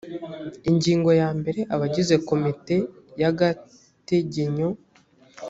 ingingo ya mbere abagize komite yagategenyo